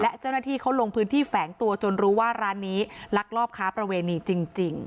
และเจ้าหน้าที่เขาลงพื้นที่แฝงตัวจนรู้ว่าร้านนี้ลักลอบค้าประเวณีจริง